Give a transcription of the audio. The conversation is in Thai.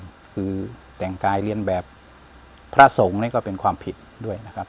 คือแต่งกายเรียนแบบพระสงฆ์นี่ก็เป็นความผิดด้วยนะครับ